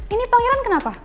ini pangeran kenapa